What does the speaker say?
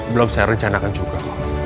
belum saya rencanakan juga